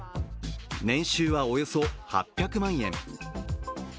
年収はおよそ８００万円。